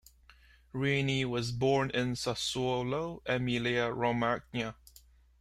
Ruini was born in Sassuolo, Emilia-Romagna.